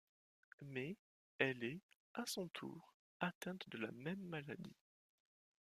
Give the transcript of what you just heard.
Mais, elle est, à son tour, atteinte de la même maladie.